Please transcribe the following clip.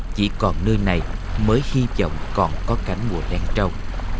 chỉ còn nơi này mới hy vọng còn có cánh mùa len trâu